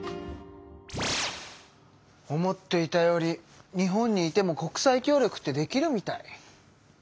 思っていたより日本にいても国際協力ってできるみたい！